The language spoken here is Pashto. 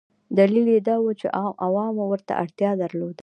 دلیل یې دا و چې عوامو ورته اړتیا درلوده.